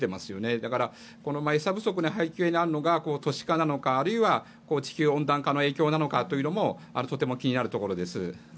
だからこの餌不足の背景にあるのが都市化なのか、あるいは地球温暖化の影響なのかもとても気になるところです。